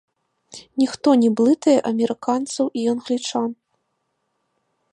Ніхто не блытае амерыканцаў і англічан.